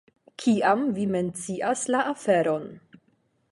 Kiam vi mencias la aferon.